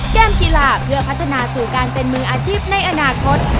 เกมกีฬาเพื่อพัฒนาสู่การเป็นมืออาชีพในอนาคต